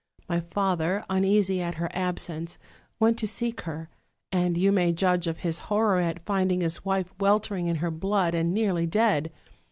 My father, uneasy at her absence, went to seek her; and you may judge of his horror at finding his wife weltering in her blood, and nearly dead!